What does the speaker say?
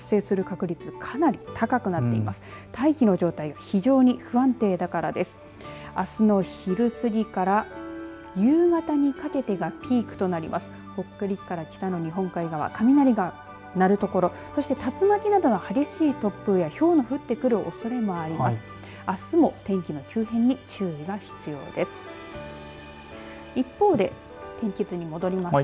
北陸から北の日本海側、雷が鳴る所そして竜巻などの激しい突風やひょうの降ってくるおそれもあります。